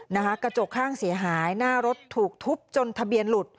กระจกข้างเสียหายหน้ารถถูกทุบจนทะเบียนหลุด